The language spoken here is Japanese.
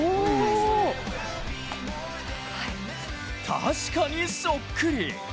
確かにそっくり。